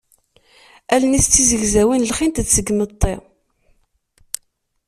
Allen-is tizegzawin lxint-d seg yimetti.